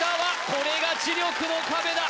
これが知力の壁だ